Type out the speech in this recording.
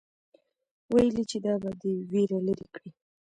ويل يې چې دا به دې وېره لري کړي.